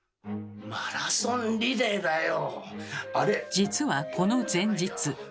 実はこの前日。